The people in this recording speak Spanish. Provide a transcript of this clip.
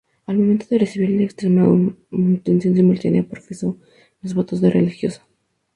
Al momento de recibir la extremaunción simultáneamente profesó los votos de religiosa.